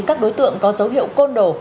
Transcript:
các đối tượng có dấu hiệu côn đồ